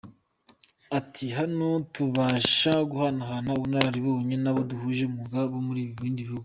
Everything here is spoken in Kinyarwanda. Ati “Hano tubasha guhanahana ubunararibonye n’abo duhuje umwuga bo mu bindi bihugu.